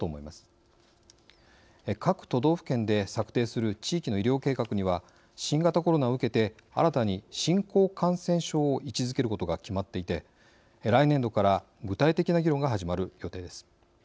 各都道府県で策定する地域の医療計画には新型コロナを受けて新たに新興感染症を位置づけることが決まっていて来年度から具体的な議論が始まる予定です。